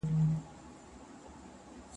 بېجانانه که لا ژاړئ نه